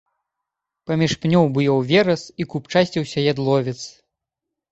Паміж пнёў буяў верас і купчасціўся ядловец.